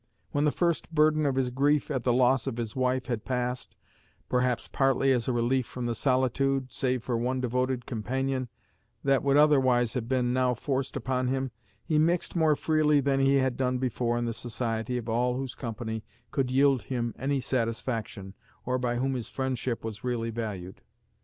When the first burden of his grief at the loss of his wife had passed, perhaps partly as a relief from the solitude, save for one devoted companion, that would otherwise have been now forced upon him, he mixed more freely than he had done before in the society of all whose company could yield him any satisfaction or by whom his friendship was really valued.